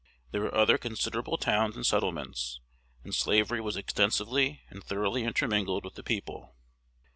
There were other considerable towns and settlements, and slavery was extensively and thoroughly intermingled with the people.